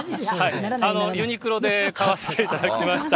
ユニクロで買わせていただきました。